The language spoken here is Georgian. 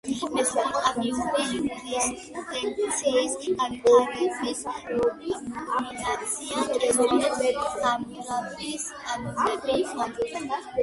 მესოპოტამიური იურისპუდენციის განვითარების კულმინაცია კი სწორედ ხამურაბის კანონები იყო.